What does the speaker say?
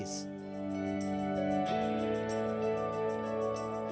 kucing yang diberi pertolongan medis